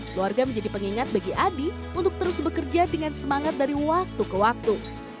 keluarga menjadi pengingat bagi adi untuk terus bekerja dengan semangat dari waktu ke waktu